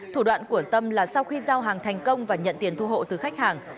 thủ đoạn của tâm là sau khi giao hàng thành công và nhận tiền thu hộ từ khách hàng